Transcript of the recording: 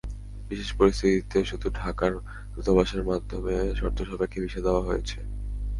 বিশেষ পরিস্থিতিতে শুধু ঢাকার দূতাবাসের মাধ্যমে শর্ত সাপেক্ষে ভিসা দেওয়া হয়েছে।